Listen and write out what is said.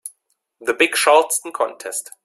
The big Charleston contest.